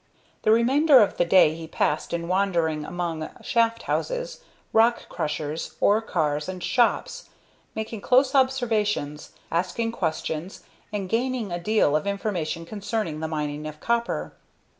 The remainder of the day he passed in wandering among shaft houses, rock crushers, ore cars, and shops, making close observations, asking questions, and gaining a deal of information concerning the mining of copper.